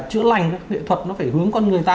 chữa lành nghệ thuật nó phải hướng con người ta